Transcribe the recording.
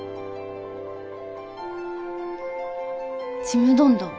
「ちむどんどん」。